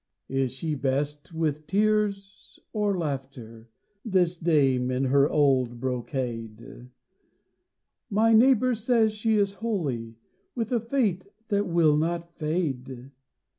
Is she best with tears or laughter, This dame in her old brocade? My neighbour says she is holy, With a faith that will not fade.